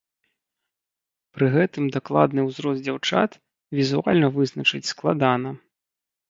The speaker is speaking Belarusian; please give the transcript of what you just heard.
Пры гэтым дакладны ўзрост дзяўчат візуальна вызначыць складана.